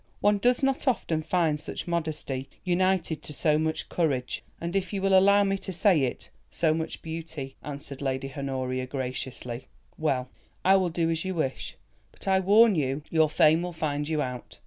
"One does not often find such modesty united to so much courage, and, if you will allow me to say it, so much beauty," answered Lady Honoria graciously. "Well, I will do as you wish, but I warn you your fame will find you out.